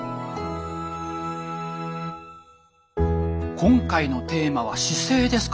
今回のテーマは姿勢ですか。